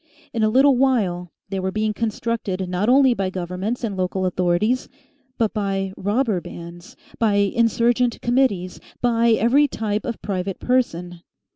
In a little while they were being constructed not only by governments and local authorities, but by robber bands, by insurgent committees, by every type of private person.